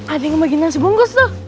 ada yang mau bagi nasi bungkus tuh